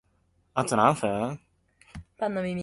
あと何分？